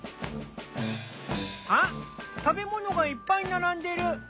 あっ食べ物がいっぱい並んでる。